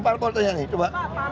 teman ahok ke depannya